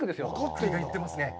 栗が言ってますね。